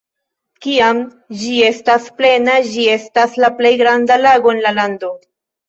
Kiam ĝi estas plena, ĝi estas la plej granda lago en la lando.